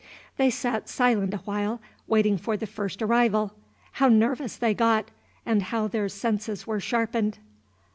They sat silent awhile, waiting for the first arrival. How nervous they got! and how their senses were sharpened!